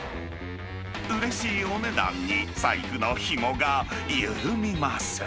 うれしいお値段に、財布のひもが緩みます。